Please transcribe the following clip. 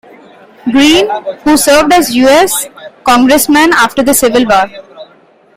Green, who served as a U. S. Congressman after the Civil War.